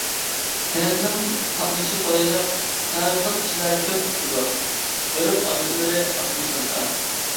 كەنتنىڭ قاتنىشى قولايلىق، تالانتلىق كىشىلەر كۆپ چىقىدۇ، ئۆرپ-ئادەتلىرى ئاددىي-ساددا.